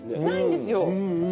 ないんですよ。